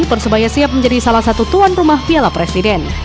persebaya siap menjadi salah satu tuan rumah piala presiden